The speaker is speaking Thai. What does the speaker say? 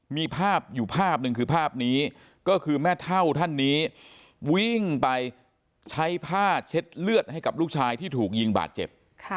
มีภาพอยู่ภาพหนึ่งคือภาพนี้ก็คือแม่เท่าท่านนี้วิ่งไปใช้ผ้าเช็ดเลือดให้กับลูกชายที่ถูกยิงบาดเจ็บ